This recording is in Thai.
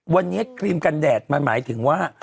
วันนี้ครีมกันแดดมันหมายถึงว่า